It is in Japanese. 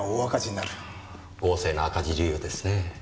豪勢な赤字理由ですねぇ。